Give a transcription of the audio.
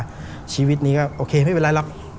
ชีวิตนี้ก็โอเคไม่เป็นไรหรอก